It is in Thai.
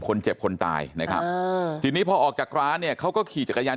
คนเจ็บคนตายนะครับทีนี้พอออกจากร้านเนี่ยเขาก็ขี่จักรยาน